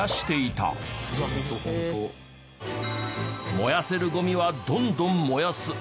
燃やせるゴミはどんどん燃やす。